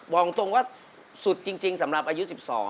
บอกตรงว่าสุดจริงสำหรับอายุ๑๒